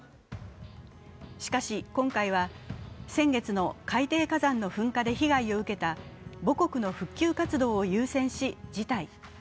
しかし、今回は先月の海底火山の噴火で被害を受けた母国の復旧活動を優先し、辞退。